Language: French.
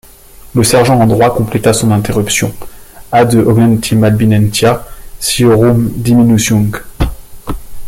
Le sergent en droit compléta son interruption: — Adde augnentim abltinentia cihorum diminutionc.